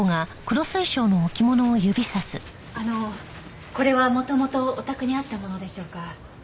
あのこれは元々お宅にあったものでしょうか？